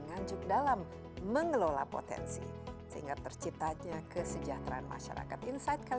nganjuk dalam mengelola potensi sehingga terciptanya kesejahteraan masyarakat insight kali